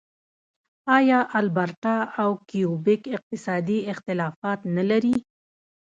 آیا البرټا او کیوبیک اقتصادي اختلافات نلري؟